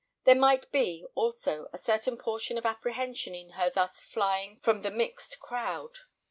There might be, also, a certain portion of apprehension in her thus flying from the mixed crowd.